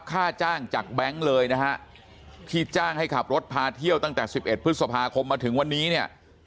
ค่าจ้างจากแบงค์เลยนะฮะที่จ้างให้ขับรถพาเที่ยวตั้งแต่๑๑พฤษภาคมมาถึงวันนี้เนี่ย